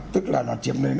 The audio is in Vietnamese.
tức là nó chiếm lên